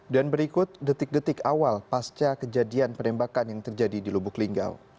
dan berikut detik detik awal pasca kejadian penembakan yang terjadi di lubuk linggau